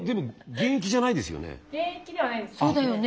現役じゃないですよね？